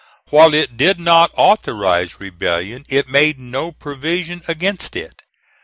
While it did not authorize rebellion it made no provision against it.